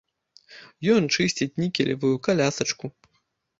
Ён чысціць нікелевую калясачку.